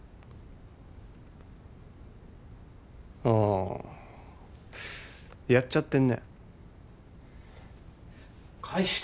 あやっちゃってんねえ。